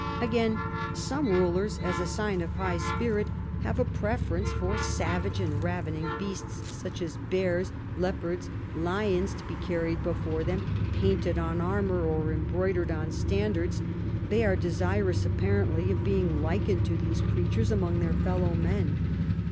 "Again, some rulers, as a sign of high spirit, have a vii LAST YEARS 219 preference for savage and ravening beasts, such as bears, leopards, lions, to be carried before them, painted on armour or (embroidered on) standards : they are desirous apparently of being likened to these creatures among their fellow men.